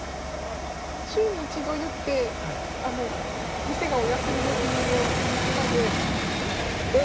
週に１度結って店がお休みの日の前日までこのままです。